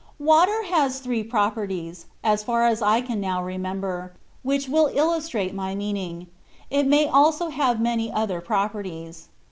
• Water has three properties (as far as I can now remember), which wiU illustrate my meaning; it may also have many other properties.